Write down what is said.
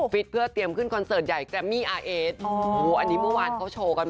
ฟิตเพื่อเตรียมขึ้นคอนเสิร์ตใหญ่แกรมมี่อาร์เอสอันนี้เมื่อวานเขาโชว์กัน